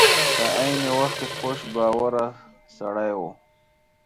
په عین وخت کې خوش باوره سړی و.